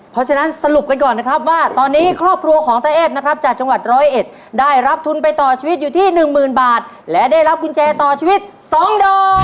เพราะฉะนั้นสรุปกันก่อนนะครับว่าตอนนี้ครอบครัวของตาเอฟนะครับจากจังหวัดร้อยเอ็ดได้รับทุนไปต่อชีวิตอยู่ที่หนึ่งหมื่นบาทและได้รับกุญแจต่อชีวิต๒ดอก